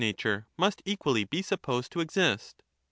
nature must equally be supposed to exist.